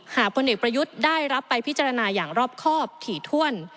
พลเอกประยุทธ์ได้รับไปพิจารณาอย่างรอบครอบถี่ถ้วน